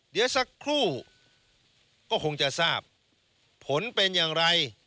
เดี๋ยวสักครู่ก็คงจะทราบผลเป็นอย่างไร